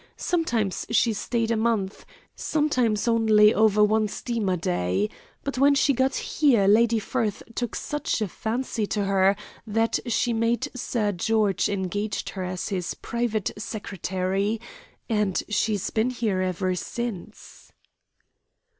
Sometimes she stayed a month, sometimes only over one steamer day. But when she got here Lady Firth took such a fancy to her that she made Sir George engage her as his private secretary, and she's been here ever since."